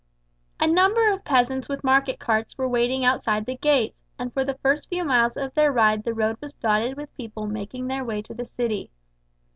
A number of peasants with market carts were waiting outside the gates, and for the first few miles of their ride the road was dotted with people making their way to the city.